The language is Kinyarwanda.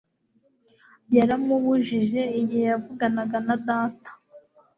yaramubujije igihe yavuganaga na data